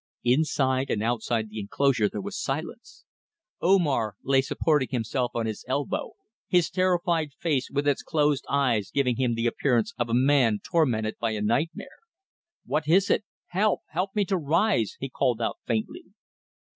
Inside and outside the enclosure there was silence. Omar lay supporting himself on his elbow, his terrified face with its closed eyes giving him the appearance of a man tormented by a nightmare. "What is it? Help! Help me to rise!" he called out faintly.